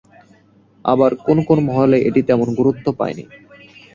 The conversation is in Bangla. আবার কোন কোন মহলে এটি তেমন গুরুত্ব পায়নি।